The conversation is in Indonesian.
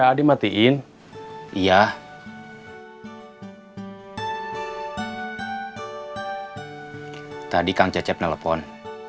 hai apa dimatiin iya tadi kan cecep telepon